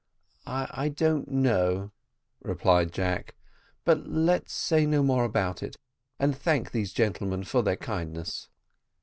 "I don't know," replied Jack; "but let's say no more about it, and thank these gentlemen for their kindness."